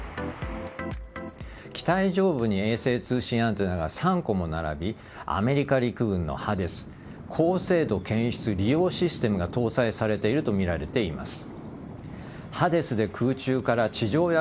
機体上部に衛星通信アンテナが３個も並びアメリカ陸軍のＨＡＤＥＳ高精度検出利用システムが搭載されているとみられています。